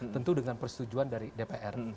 tentu dengan persetujuan dari dpr